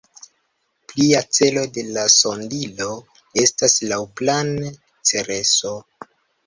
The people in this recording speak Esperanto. Plia celo de la sondilo estas laŭplane Cereso.